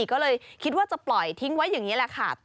ก็เลยคิดว่าจะปล่อยทิ้งไว้อย่างนี้แหละค่ะ